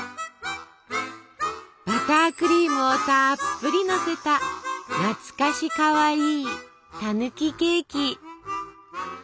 バタークリームをたっぷりのせた懐かしかわいい「たぬきケーキ」。